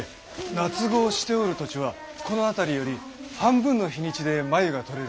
夏蚕をしておる土地はこの辺りより半分の日にちで繭が取れるんです。